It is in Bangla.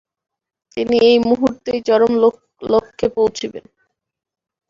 তিনি এই মুহূর্তেই চরম লক্ষ্যে পৌঁছিবেন।